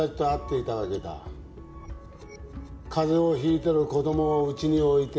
風邪を引いてる子供を家に置いて。